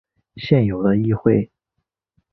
现有的议会。